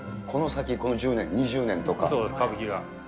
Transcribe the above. この先、この１０年、２０年歌舞伎が。